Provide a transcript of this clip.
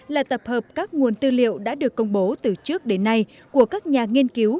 là tập hợp các nguồn tư liệu đã được công bố từ trước đến nay của các nhà nghiên cứu